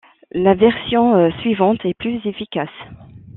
La version suivante est plus efficace.